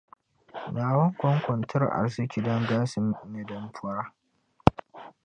Naawuni koŋko n-tiri arzichi din galisi, ni din pɔra.